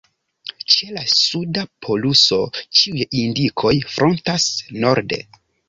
Ĉe la suda poluso ĉiuj indikoj frontas norde.